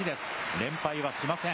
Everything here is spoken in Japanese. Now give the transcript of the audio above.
連敗はしません。